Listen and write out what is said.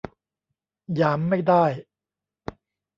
หยามไม่ได้